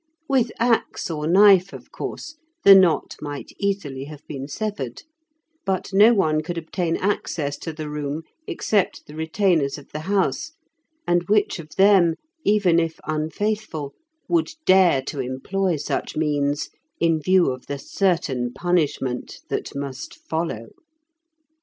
With axe or knife, of course, the knot might easily have been severed, but no one could obtain access to the room except the retainers of the house, and which of them, even if unfaithful, would dare to employ such means in view of the certain punishment that must follow?